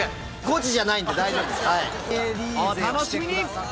お楽しみに！